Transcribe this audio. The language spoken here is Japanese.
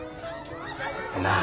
なあ？